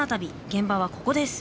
現場はここです。